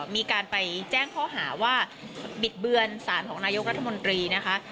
มีการไปแจ้งข้อหาว่าบิดเบือนสารของนายกรัฐมนตรีนะคะ